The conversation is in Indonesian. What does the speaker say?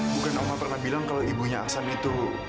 bukan oma pernah bilang kalau ibunya aksan itu